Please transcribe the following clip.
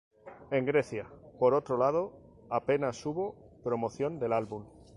En Grecia, por otro lado, a penas hubo promoción del álbum.